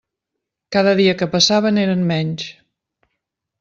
Cada dia que passava n'eren menys.